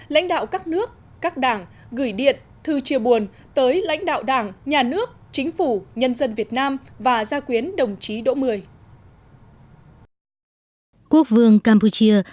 lãnh đạo các nước các đảng gửi điện thư chia buồn tới lãnh đạo đảng nhà nước chính phủ nhân dân việt nam và gia quyến đồng chí đỗ mười